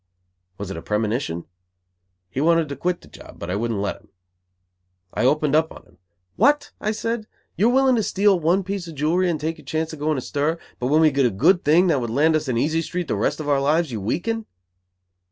Was it a premonition? He wanted to quit the job, but I wouldn't let him. I opened up on him. "What!" I said. "You are willing to steal one piece of jewelry and take your chance of going to stir, but when we get a good thing that would land us in Easy Street the rest of our lives, you weaken!"